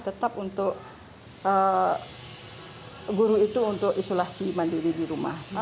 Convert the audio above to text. tetap untuk guru itu untuk isolasi mandiri di rumah